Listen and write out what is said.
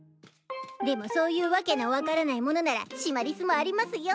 でもそういう訳の分からないものならシマリスもありますよ。